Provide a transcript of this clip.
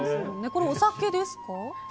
これお酒ですか？